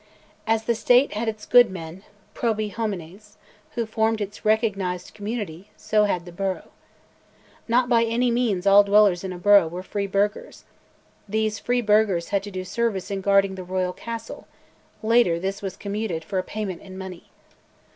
As the State had its "good men" (probi homines), who formed its recognised "community," so had the borough. Not by any means all dwellers in a burgh were free burghers; these free burghers had to do service in guarding the royal castle later this was commuted for a payment in money.